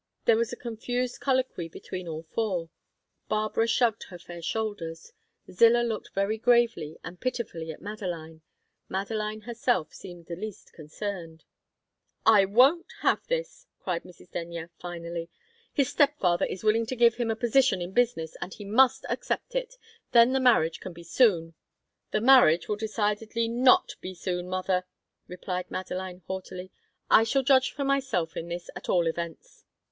There was a confused colloquy between all four. Barbara shrugged her fair shoulders; Zillah looked very gravely and pitifully at Madeline. Madeline herself seemed the least concerned. "I won't have this!" cried Mrs. Denyer, finally. "His step father is willing to give him a position in business, and he must accept it; then the marriage can be soon." "The marriage will decidedly not be soon, mother!" replied Madeline, haughtily. "I shall judge for myself in this, at all events."